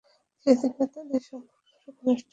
ধীরে ধীরে তাদের সম্পর্ক আরো ঘনিষ্ঠ হয়ে ওঠে।